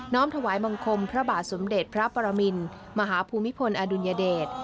้อมถวายบังคมพระบาทสมเด็จพระปรมินมหาภูมิพลอดุลยเดช